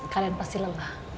kalian pasti lengah